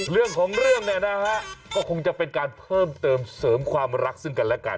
เรื่องของเรื่องเนี่ยนะฮะก็คงจะเป็นการเพิ่มเติมเสริมความรักซึ่งกันและกัน